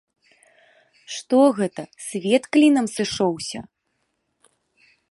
Што гэта, свет клінам сышоўся.